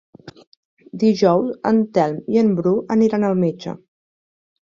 Dijous en Telm i en Bru aniran al metge.